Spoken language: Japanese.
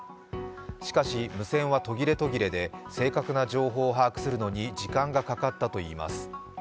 しかし、無線は途切れ途切れで正確な情報を把握するのに時間がかかったといいます。